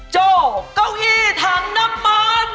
โจ้เก้าอี้ถังน้ำมัน